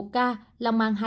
một ca lòng mang